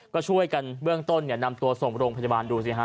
ก็ช่วยกันเบื้องต้นนำตัวส่งโรงพยาบาลดูสิฮะ